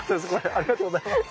ありがとうございます。